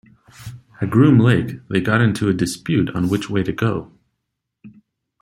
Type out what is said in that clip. At Groom Lake they got into a dispute on which way to go.